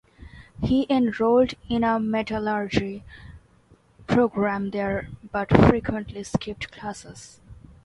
He enrolled in a metallurgy program there but frequently skipped classes.